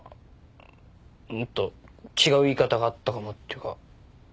もっと違う言い方があったかもっていうか。